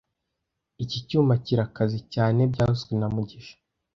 Iki cyuma kirakaze cyane byavuzwe na mugisha